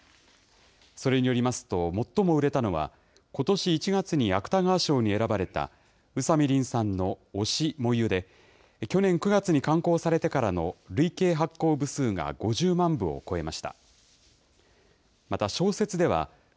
それによりますと、最も売れたのは、ことし１月に芥川賞に選ばれた宇佐見りんさんの推し、燃ゆで、去年９月に刊行されてからの累計発行部数が５０万部を超えました。